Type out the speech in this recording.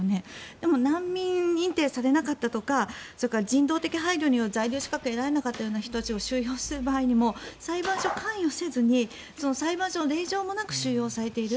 でも難民認定されなかったとか人道的配慮により在留資格を得られなかった人たちを収容する場合にも裁判所は関与せずに裁判所の令状もなく収容されている。